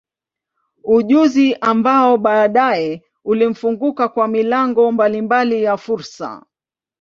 Ujuzi ambao baadaye ulimfunguka kwa milango mbalimbali ya fursa.